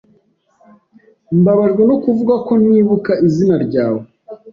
Mbabajwe no kuvuga ko ntibuka izina ryawe.